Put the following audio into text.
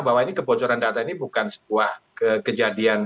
bahwa ini kebocoran data ini bukan sebuah kejadian